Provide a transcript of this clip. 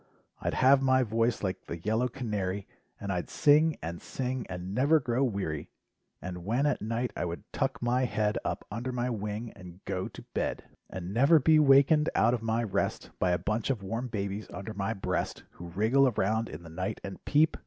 I'd have my voice like the yellow canary. And I'd sing and sing and never grow weary. And when at night I would tuck my head Up under my wing and go to bed, 18 LIFE WAVES And never be wakened out of my rest By a bunch of warm babies under my breast, Who wriggle around in the night and peep.